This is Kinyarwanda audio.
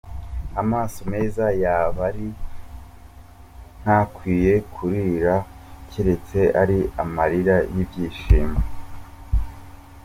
Amaso Meza yabari ntakwiye kurira keretse ari amarira yibyishimo.